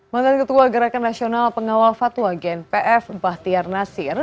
mantan ketua gerakan nasional pengawal fatwa gnpf bahtiar nasir